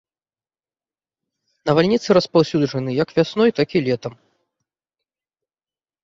Навальніцы распаўсюджаны як вясной, так і летам.